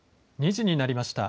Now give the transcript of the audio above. ２時になりました。